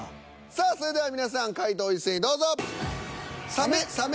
さあそれでは皆さん回答を一斉にどうぞ。